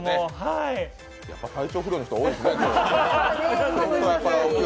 やっぱ体調不良の人、多いですね、今日。